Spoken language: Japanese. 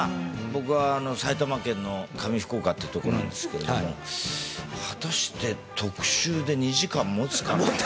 僕は埼玉県の上福岡っていうとこなんですけれども果たして特集で２時間もつかな？